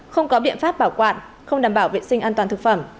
không có biện pháp bảo quản không đảm bảo vệ sinh an toàn thực phẩm